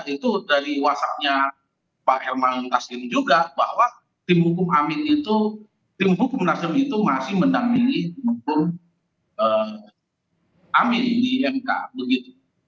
itu dari whatsappnya pak herman taslim juga bahwa tim hukum amin itu tim hukum nasdem itu masih mendampingi maupun amin di mk begitu